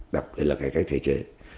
đặc biệt là cải cách thể chế